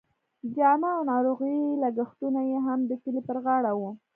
جامه او ناروغۍ لګښتونه یې هم د کلي پر غاړه وو.